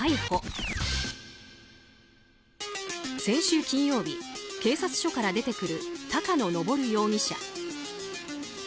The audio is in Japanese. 先週金曜日警察署から出てくる高野登容疑者。